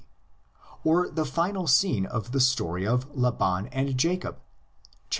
or the final scene of the story of Laban and Jacob, xxxi.